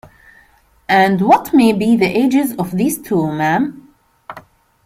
And what may be the ages of these two, ma'am?